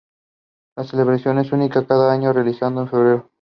La celebración es única cada año, realizado en febrero.